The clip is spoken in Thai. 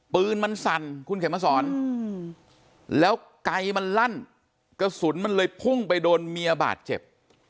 ปืนมันสั่นคุณเข็มมาสอนแล้วไกลมันลั่นกระสุนมันเลยพุ่งไปโดนเมียบาดเจ็บ